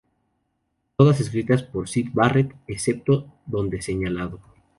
Todas escritas por Syd Barrett, excepto donde señalado.